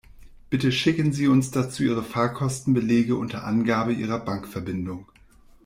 Bitte schicken Sie uns dazu Ihre Fahrkostenbelege unter Angabe Ihrer Bankverbindung.